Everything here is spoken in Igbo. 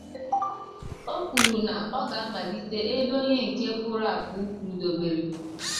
O kwuru na ọ ga-amàlite ebe onye nke pụrụ apụ rụdobere